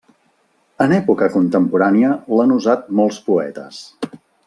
En època contemporània l'han usat molts poetes.